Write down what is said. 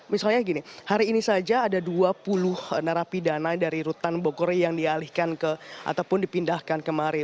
misalnya gini hari ini saja ada dua puluh narapidana dari rutan bogor yang dialihkan ke ataupun dipindahkan kemari